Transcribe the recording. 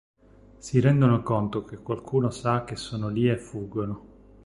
Si rendono conto che qualcuno sa che sono lì e fuggono.